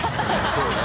そうね。